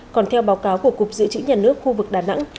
còn theo báo cáo của cục dự trữ nhà nước khu vực đà nẵng